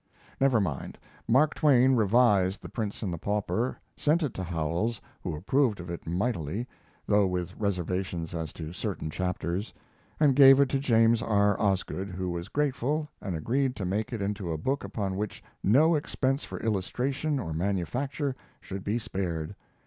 Never mind. Mark Twain revised 'The Prince and the Pauper', sent it to Howells, who approved of it mightily (though with reservations as to certain chapters), and gave it to James R. Osgood, who was grateful and agreed to make it into a book upon which no expense for illustration or manufacture should be spared.